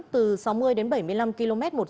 từ sáu mươi đến bảy mươi năm km một giờ